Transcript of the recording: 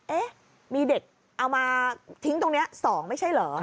เอ๊ะมีเด็กเอามาทิ้งตรงนี้๒ไม่ใช่เหรอ